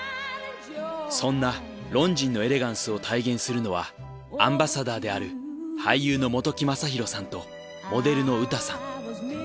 そんなロンジンのエレガンスを体現するのはアンバサダーである俳優の本木雅弘さんとモデルのＵＴＡさん。